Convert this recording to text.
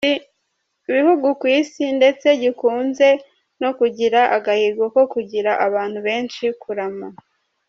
bihugu ku isi, ndetse gikunze no kugira agahigo ko kugira abantu benshi kurama